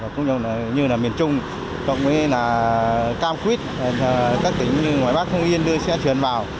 cũng như là miền trung cộng với là cam quýt các tỉnh như ngoài bắc hùng yên đưa xe truyền vào